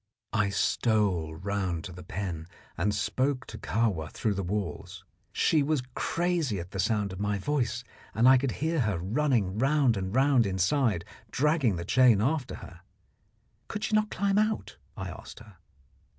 I stole round to the pen and spoke to Kahwa through the walls. She was crazy at the sound of my voice, and I could hear her running round and round inside, dragging the chain after her. Could she not climb out? I asked her.